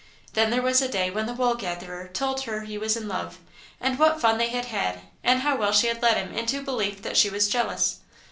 Then there was the day when the Wool gatherer told her he was in love, and what fun they had had, and how well she had led him into belief that she was jealous!